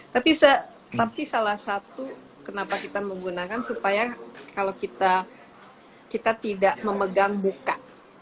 tapi salah satu kenapa kita menggunakan supaya kalau kita tidak memegang buka